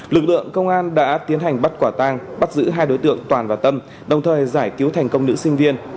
lực lượng công an đã tiến hành bắt quả tang bắt giữ hai đối tượng toàn và tâm đồng thời giải cứu thành công nữ sinh viên